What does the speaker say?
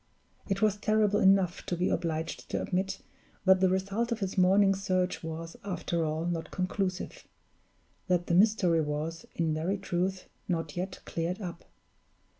It was terrible enough to be obliged to admit that the result of his morning's search was, after all, not conclusive that the mystery was, in very truth, not yet cleared up.